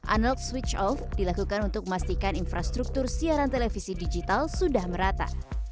analog switch off dilakukan untuk memastikan infrastruktur siaran televisi digital sudah merata